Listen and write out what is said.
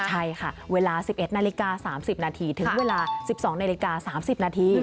ใช่ค่ะเวลา๑๑นาฬิกา๓๐นาทีถึงเวลา๑๒นาฬิกา๓๐นาที